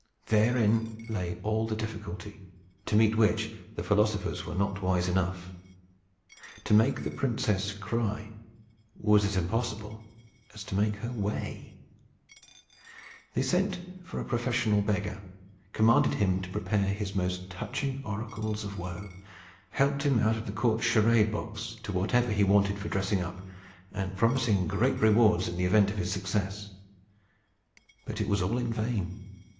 Therein lay all the difficulty to meet which the philosophers were not wise enough. To make the princess cry was as impossible as to make her weigh. They sent for a professional beggar; commanded him to prepare his most touching oracle of woe; helped him, out of the court charade box, to whatever he wanted for dressing up, and promised great rewards in the event of his success. But it was all in vain.